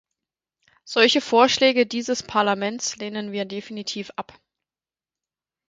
Solche Vorschläge dieses Parlaments lehnen wir definitiv ab.